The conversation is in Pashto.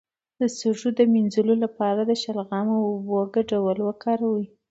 د سږو د مینځلو لپاره د شلغم او اوبو ګډول وکاروئ